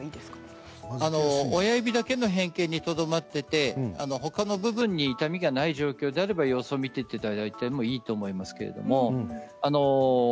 親指だけの変形にとどまってほかの部分に痛みがない状況であれば様子を見ていただいてもいいと思います。